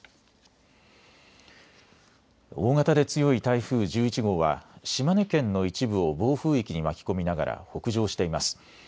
大型で強い台風１１号は島根県の一部を暴風域に巻き込まながら北上しています。